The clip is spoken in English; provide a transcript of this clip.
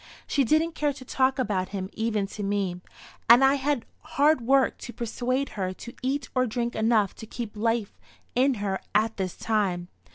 She didn't care to talk about him even to me, and I had hard work to persuade her to eat or drink enough to keep life in her at this time.